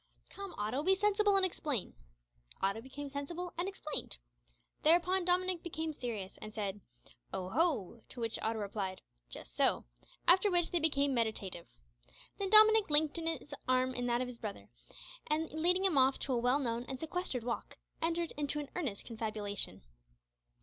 "Come, Otto, be sensible and explain." Otto became sensible and explained. Thereupon Dominick became serious, and said "Oho!" To which Otto replied "Just so," after which they became meditative. Then Dominick linked his arm in that of his little brother, and, leading him off to a well known and sequestered walk, entered into an earnest confabulation.